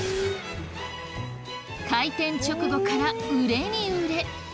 開店直後から売れに売れ。